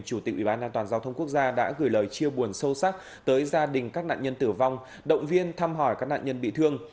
chủ tịch ủy ban an toàn giao thông quốc gia đã gửi lời chia buồn sâu sắc tới gia đình các nạn nhân tử vong động viên thăm hỏi các nạn nhân bị thương